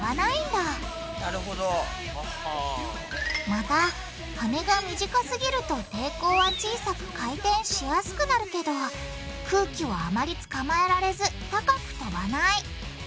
また羽が短すぎると抵抗は小さく回転しやすくなるけど空気をあまりつかまえられず高く飛ばない。